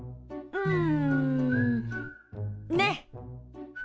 うん。